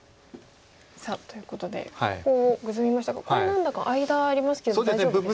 さあということでここをグズみましたがこれ何だか間ありますけど大丈夫ですか？